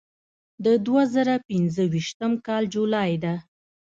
د دوه زره پنځه ویشتم کال جولای ده.